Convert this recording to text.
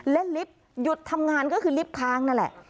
ลิฟต์หยุดทำงานก็คือลิฟต์ค้างนั่นแหละ